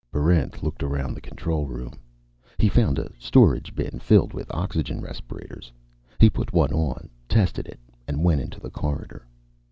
Barrent looked around the control room. He found a storage bin filled with oxygen respirators. He put one on, tested it, and went into the corridor.